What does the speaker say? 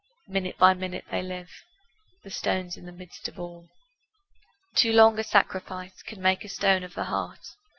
Minute by minute they live: The stone's in the midst of all. Too long a sacrifice Can make a stone of the heart.